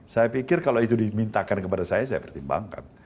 saya pikir kalau itu dimintakan kepada saya saya pertimbangkan